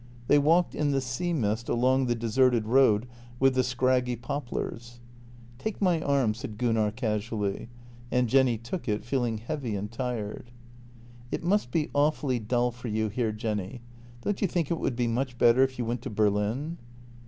They walked in the sea mist along the deserted road with the scraggy poplars. " Take my arm," said Gunnar casually, and Jenny took it, feeling heavy and tired. " It must be awfully dull for you here, Jenny — don't you think it would be much better if you went to Berlin?